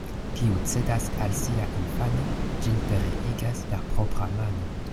Kiu cedas al sia infano, ĝin pereigas per propra mano.